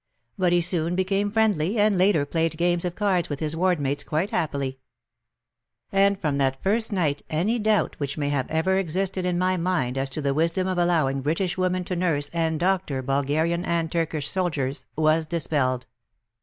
But he soon became friendly, and later played games of cards with his ward mates quite happily. And from that first night any doubt which may ever have existed in my mind as to the wisdom of allowing British women to nurse and doctor Bulgarian and Turkish soldiers was dis pelled.